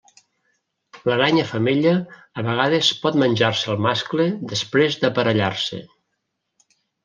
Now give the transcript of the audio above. L'aranya femella a vegades pot menjar-se al mascle després d'aparellar-se.